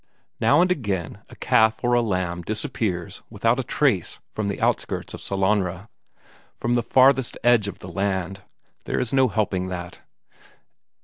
Now and again a calf or a lamb disappears without a trace from the outskirts of Sellanraa, from the farthest edge of the land there is no helping that.